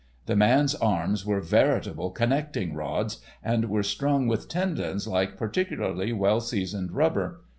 The man's arms were veritable connecting rods, and were strung with tendons like particularly well seasoned rubber.